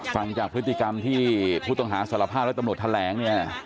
ฟังจากพฤติกรรมที่ผู้ต้องหาสารภาพและตำรวจแถลงเนี่ย